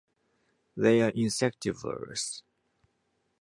They are insectivorous.